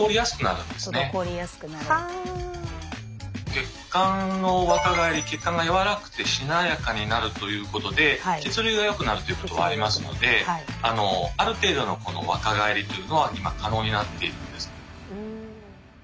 血管の若返り血管が柔らかくてしなやかになるということで血流がよくなるということはありますのである程度の若返りというのは今可能になっているんです。